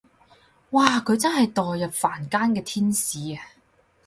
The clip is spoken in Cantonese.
哇佢真係墮入凡間嘅天使啊